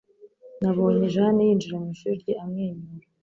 Nabonye Jane yinjira mwishuri rye amwenyura.